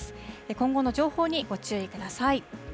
今後の情報にご注意ください。